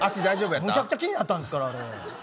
めちゃくちゃ気になったんですから、あれ。